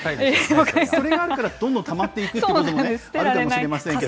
それがあるからどんどんたまっていくのかもしれませんが。